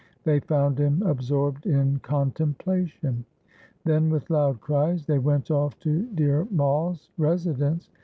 They found him absorbed in contemplation. Then with loud cries they went off to Dhir Mai's residence.